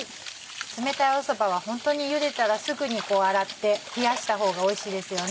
冷たいそばはホントにゆでたらすぐに洗って冷やした方がおいしいですよね。